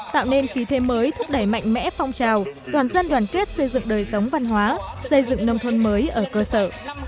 tạo nên khí thế mới thúc đẩy mạnh mẽ phong trào toàn dân đoàn kết xây dựng đời sống văn hóa xây dựng nông thôn mới ở cơ sở